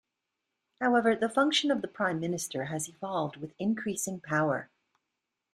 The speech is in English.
However, the function of the prime minister has evolved with increasing power.